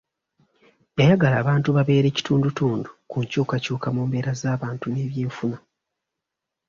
Yayagala abantu babeere kitundutundu ku nkyukakyuka mu mbeera z'abantu n'eby'enfuna.